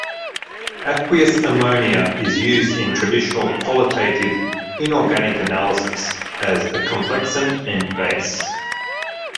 Aqueous ammonia is used in traditional qualitative inorganic analysis as a complexant and base.